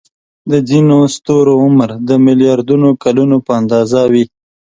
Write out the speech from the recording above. د ځینو ستورو عمر د ملیاردونو کلونو په اندازه وي.